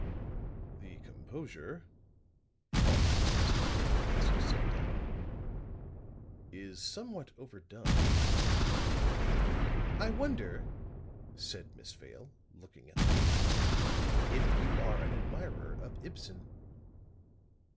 "The composure," thought the investigator, as he sat down, "is somewhat overdone." "I wonder," said Miss Vale, looking at the book, "if you are an admirer of Ibsen."